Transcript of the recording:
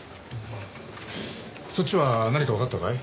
そっちは何かわかったかい？